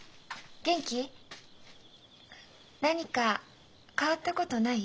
何か変わったことない？